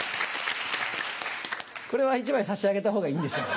これは１枚差し上げたほうがいいんでしょうか？